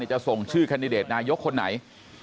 จะท์ทรงชื่อคันดเดตนายกคนไหน